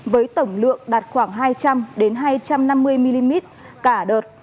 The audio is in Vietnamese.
với tổng lượng đạt khoảng hai trăm linh hai trăm năm mươi mm cả đợt